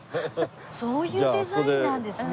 そういうデザインなんですね。